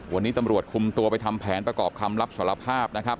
วันนี้ตำรวจคุมตัวไปทำแผนประกอบคำรับสารภาพนะครับ